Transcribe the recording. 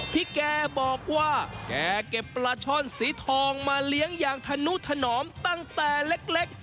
พี่แกบอกว่าแกเก็บปลาช่อนสีทองมาเลี้ยงอย่างธนุถนอมตั้งแต่เล็ก